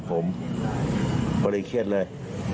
ผมก็เลยเครียดเลย